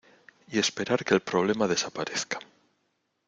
y esperar que el problema desaparezca.